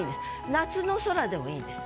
「夏の空」でもいいんです。